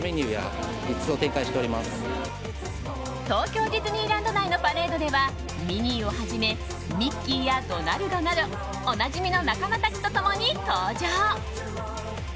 東京ディズニーランド内のパレードではミニーをはじめミッキーやドナルドなどおなじみの仲間たちと共に登場。